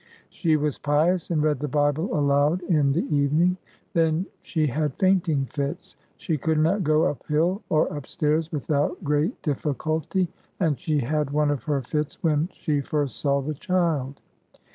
She was pious, and read the Bible aloud in the evening. Then she had fainting fits; she could not go uphill or upstairs without great difficulty, and she had one of her fits when she first saw the child.